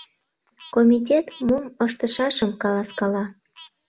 Комитет мом ыштышашым каласкала.